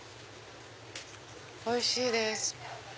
おいしいです。